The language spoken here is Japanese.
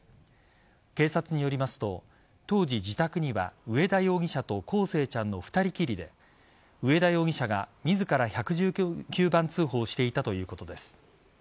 警察によりますと当時、自宅には上田容疑者と康生ちゃんの２人きりで上田容疑者が自ら１１９番通報していたということです。